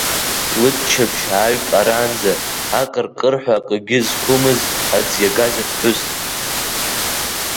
Лыччабжь ааҩп аранӡа акыркырҳәа акгьы зқәымыз, аӡ иагаз аԥҳәыс.